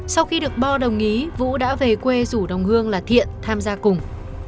sau khi được bo đồng ý vũ đã về quê rủ đồng hương là thiện tham gia cùng